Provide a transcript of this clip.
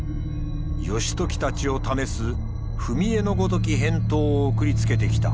義時たちを試す踏み絵のごとき返答を送りつけてきた。